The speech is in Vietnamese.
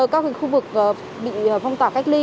các cái khu vực bị phong tỏa cách ly